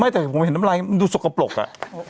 แต่ผมเห็นน้ำลายมันดูสกปรกอ่ะ